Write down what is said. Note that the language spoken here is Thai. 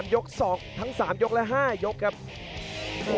ดาบดำเล่นงานบนเวลาตัวด้วยหันขวา